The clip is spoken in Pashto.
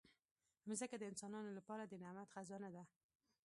مځکه د انسانانو لپاره د نعمت خزانه ده.